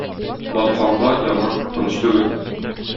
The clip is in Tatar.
Батканга яңгыр куркыныч түгел.